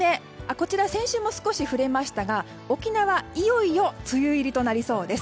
こちら、先週も少し触れましたが沖縄、いよいよ梅雨入りとなりそうです。